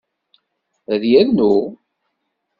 Ad yernu?